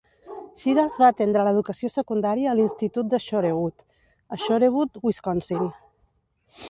Shiras va atendre l'educació secundaria a l'Institut de Shorewood, a Shorewood, Wisconsin.